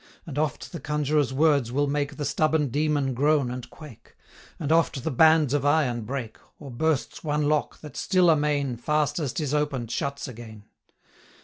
And oft the Conjurer's words will make The stubborn Demon groan and quake; And oft the bands of iron break, Or bursts one lock, that still amain, 195 Fast as 'tis open'd, shuts again.